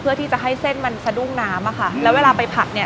เพื่อที่จะให้เส้นมันสะดุ้งน้ำอะค่ะแล้วเวลาไปผัดเนี่ย